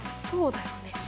そうだよね。